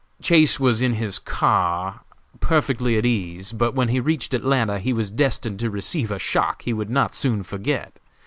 ] "Chase was in his car, perfectly at ease, but when he reached Atlanta he was destined to receive a shock he would not soon forget.